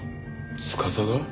司が？